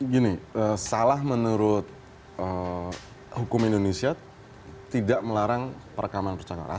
gini salah menurut hukum indonesia tidak melarang perekaman percakapan